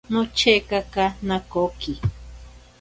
Nochekaka nakoki.